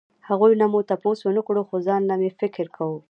هغو نه مو تپوس ونکړو خو ځانله مې فکر کوو